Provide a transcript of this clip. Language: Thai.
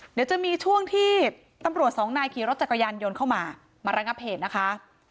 เดี๋ยวจะมีช่วงที่ตำรวจสองนายขี่รถจักรยานยนต์เข้ามามาระงับเหตุนะคะ